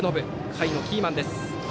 下位のキーマンです。